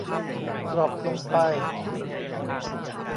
ดรอปลงไป